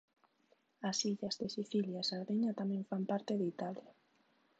As illas de Sicilia e Sardeña tamén fan parte de Italia.